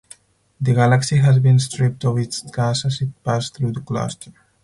The galaxy has been stripped of its gas as it passed through the cluster.